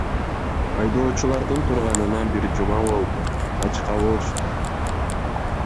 Айдоочулардын турганына бир жума болду, ачка болушту.